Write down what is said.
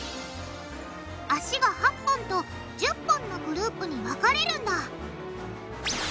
脚が８本と１０本のグループに分かれるんだ